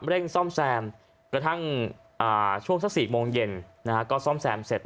เร่งซ่อมแซมกระทั่งช่วงสัก๔โมงเย็นก็ซ่อมแซมเสร็จ